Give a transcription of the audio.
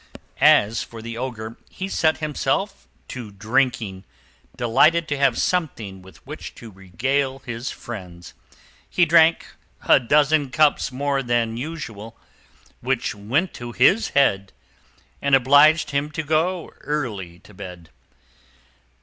As for the Ogre, he set himself to drinking, delighted to have something with which to regale his friends. He drank a dozen cups more than usual, which went to his head, and obliged him to go early to bed.